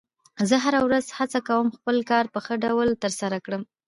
زه هره ورځ هڅه کوم خپل کار په ښه ډول ترسره کړم